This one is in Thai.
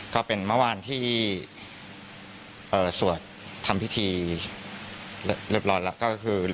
ก็เป็นเมื่อวานที่สวดทำพิธีเรียบร้อยแล้วก็คือ